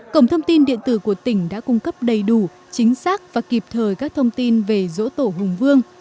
cổng thông tin điện tử của tỉnh đã cung cấp đầy đủ chính xác và kịp thời các thông tin về dỗ tổ hùng vương